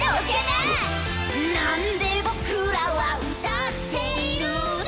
「なんで僕らは歌っているの？」